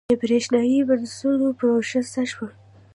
د بریښنايي بسونو پروژه څه شوه؟